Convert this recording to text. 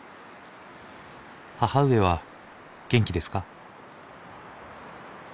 母上は元気ですか」。